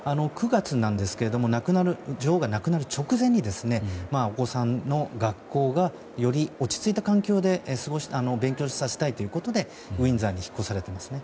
９月なんですが女王が亡くなる直前にお子さんの学校がより落ち着いた環境で勉強させたいということでウィンザーに引っ越されたんですね。